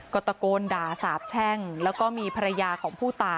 ก็ตะโกนด่าสาบแช่งแล้วก็มีภรรยาของผู้ตาย